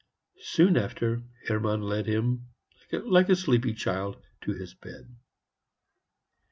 Soon after, Hermann led him, like a sleepy child, to his bed.